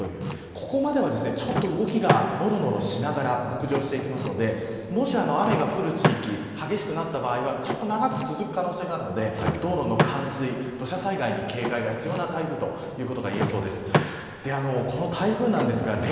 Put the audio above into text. ここまでは、動きがのろのろしながら北上していきますのでもし、雨が降る地域激しくなった場合は長く続く可能性があるので道路の冠水や土砂災害に警戒が必要な台風ということが言えそうです。